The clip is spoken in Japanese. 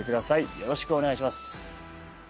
よろしくお願いします